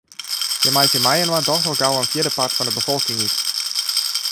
Hja meitsje mei-inoar dochs al gau in fjirdepart fan 'e befolking út.